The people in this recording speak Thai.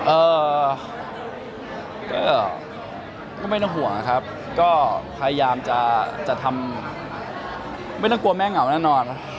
เอ่อก็ไม่ต้องห่วงนะครับก็พยายามจะจะทำไม่ต้องกลัวแม่เหงาแน่นอน